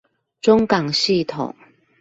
中港系統